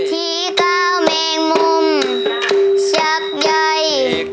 ที่ก้าวแมงมุมชักใย